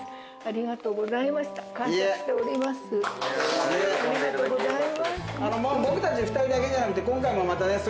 ありがとうございます。